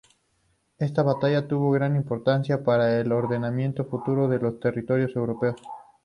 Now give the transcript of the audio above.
Esta batalla tuvo gran importancia para el ordenamiento futuro de los territorios europeos.